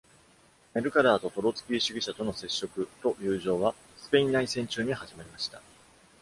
メルカダーとトロツキー主義者との接触と友情は、スペイン内戦中に始まりました。